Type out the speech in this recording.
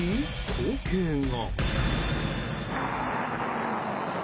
光景が。